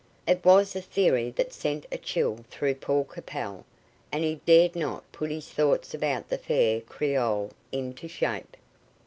It was a theory that sent a chill through Paul Capel, and he dared not put his thoughts about the fair Creole into shape.